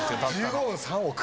１５分３億。